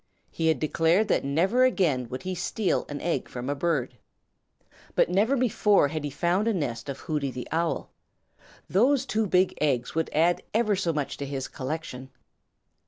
He bad declared that never again would he steal an egg from a bird. But never before had he found a nest of Hooty the Owl. Those two big eggs would add ever so much to his collection.